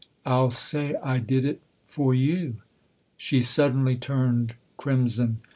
"" I'll say I did it for you." She suddenly turned crimson.